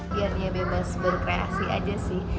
biar dia bebas berkreasi aja sih